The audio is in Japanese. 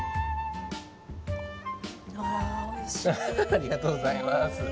ありがとうございます。